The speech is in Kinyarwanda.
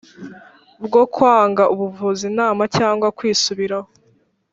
Bwo kwanga ubuvuzi inama cyangwa kwisubiraho